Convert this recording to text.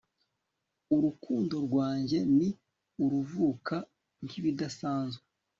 urukundo rwanjye ni uruvuka nkibidasanzwe